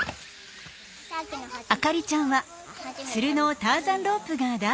あかりちゃんはつるのターザンロープが大好き。